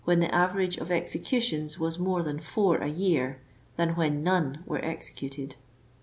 the average of executions was more than four a year, than when none were executed.